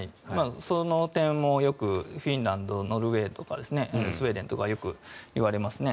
その点もよくフィンランドノルウェーとかスウェーデンとかよくいわれますね。